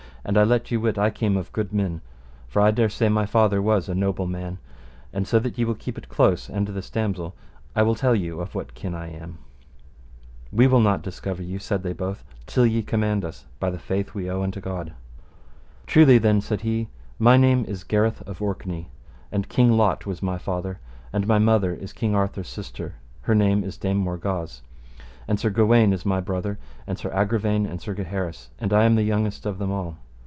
And I let you wit I came of good men, for I dare say my father was a noble man, and so that ye will keep it in close, and this damosel, I will tell you of what kin I am. We will not discover you, said they both, till ye command us, by the faith we owe unto God. Truly then, said he, my name is Gareth of Orkney, and King Lot was my father, and my mother is King Arthur's sister, her name is Dame Morgawse, and Sir Gawaine is my brother, and Sir Agravaine and Sir Gaheris, and I am the youngest of them all.